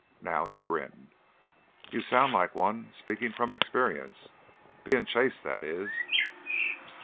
Now he grinned. "You sound like one speakin' from experience of bein' chased, that is."